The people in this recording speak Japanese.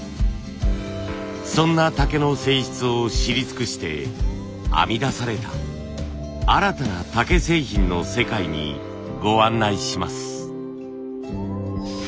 そんな竹の性質を知り尽くして編み出された新たな竹製品の世界にご案内します。